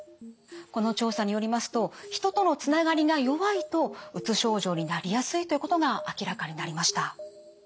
この調査によりますと人とのつながりが弱いとうつ症状になりやすいということが明らかになりました。